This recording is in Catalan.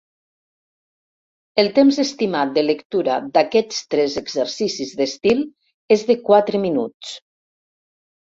El temps estimat de lectura d'aquests tres exercicis d'estil és de quatre minuts.